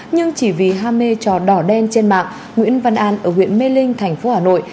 nhưng chỉ vì ham mê trò đỏ đen trên mạng nguyễn văn an ở huyện mê linh thành phố hà nội